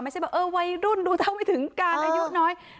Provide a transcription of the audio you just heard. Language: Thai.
ไม่ใช่แบบเออวัยรุ่นดูเท่าไม่ถึงการอายุน้อย